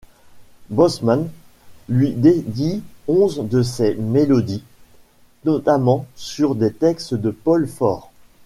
Bosmans lui dédie onze de ses mélodies, notamment sur des textes de Paul Faure.